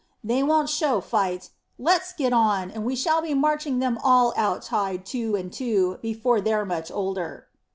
They won't show fight. Let's get on, and we shall be marching them all out tied two and two before they're much older."